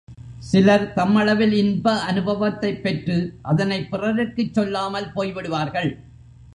சிலர் தம்மளவில் இன்ப அநுபவத்தைப் பெற்று, அதனைப் பிறருக்குச் சொல்லாமல் போய்விடுவார்கள்.